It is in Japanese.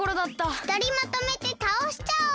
ふたりまとめてたおしちゃおう！